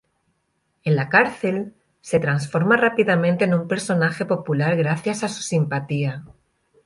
En la cárcel se transforma rápidamente en un personaje popular gracias a su simpatía.